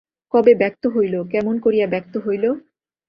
কবে ব্যক্ত হইল, কেমন করিয়া ব্যক্ত হইল?